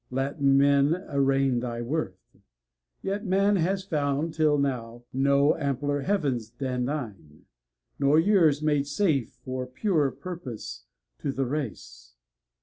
Let men arraign thy worth ; yet Man has found Till now no ampler heavens than thine, nor years Made safe for purer purpose to the race.